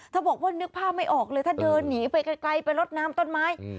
บอกว่านึกภาพไม่ออกเลยถ้าเดินหนีไปไกลไปลดน้ำต้นไม้